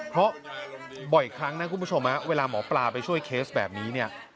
เพราะบ่อยครั้งนะคุณผู้ชมเวลาหมอปลาไปช่วยเคสแบบนี้เนี่ย